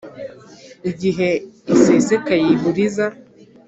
Igihe isesekaye i Buriza